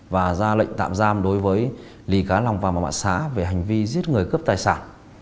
và ra lệnh tạm giam đối với lê cá lòng và mạ mạ xá về hành vi giết người cướp tài sản